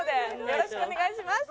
よろしくお願いします。